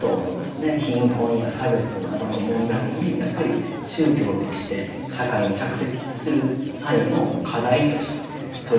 貧困や差別などの問題にやっぱり宗教として社会に着席する際の課題として取り組み方。